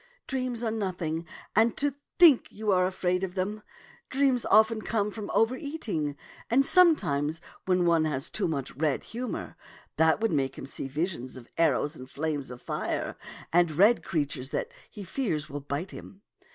Dreams are nothing — and to think that you are afraid of them ! Dreams often come from overeating and sometimes when one has too much red humor. That would make him see visions of arrows and flames of fire, and red creatures that he fears will bite him.